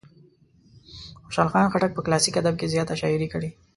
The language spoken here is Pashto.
خوشال خان خټک په کلاسیک ادب کې زیاته شاعري کړې.